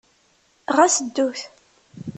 Ɣas ddut.